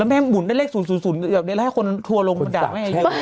แล้วแม่้มุนได้เลข๐๐๐ล่ะแล้วให้คนทัวร์ลงดักแน่เยอะ